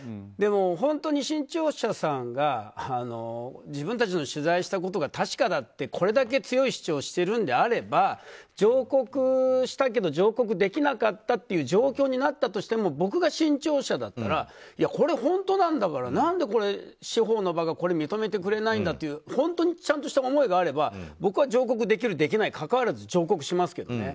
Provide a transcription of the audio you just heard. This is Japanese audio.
でも本当に新潮社さんが自分たちの取材したことが確かだってこれだけ強い主張をしてるんであれば上告したけど上告できなかったという状況になったとしても僕が新潮社だったらこれ本当なんだから何で司法の場がこれを認めてくれないんだというちゃんとした思いがあれば僕は上告できるできないか、かかわらず上告しますよ。